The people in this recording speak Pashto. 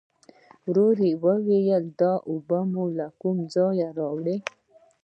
ورو يې وویل: دا اوبه مو له کوم ځايه راوړې؟